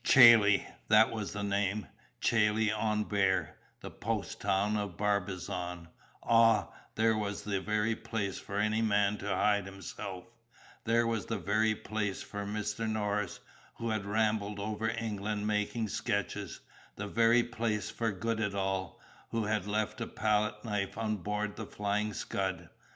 Chailly, that was the name; Chailly en Biere, the post town of Barbizon ah, there was the very place for any man to hide himself there was the very place for Mr. Norris, who had rambled over England making sketches the very place for Goddedaal, who had left a palette knife on board the Flying Scud.